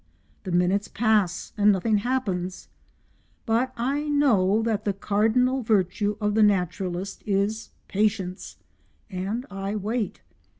The minutes pass and nothing happens, but I know that the cardinal virtue of the naturalist is patience, and I wait.